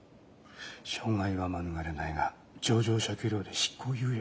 傷害は免れないが情状酌量で執行猶予がつくかもな。